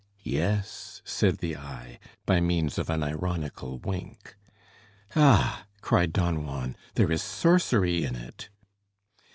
"Yes," said the eye, by means of an ironical wink. "Ah!" cried Don Juan, "there is sorcery in it!"